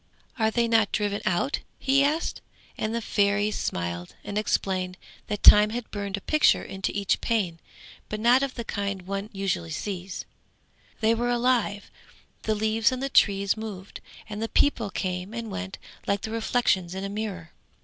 'Are they not driven out?' he asked, and the Fairy smiled, and explained that Time had burned a picture into each pane, but not of the kind one usually sees; they were alive, the leaves on the trees moved, and people came and went like the reflections in a mirror.